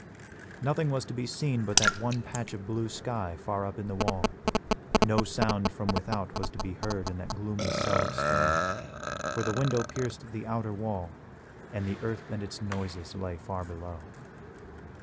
Nothing was to be seen but that one patch of blue sky far up in the wall. No sound from without was to be heard in that gloomy cell of stone, for the window pierced the outer wall, and the earth and its noises lay far below.